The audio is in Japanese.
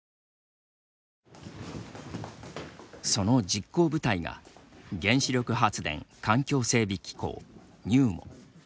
その実行部隊が原子力発電環境整備機構＝ＮＵＭＯ。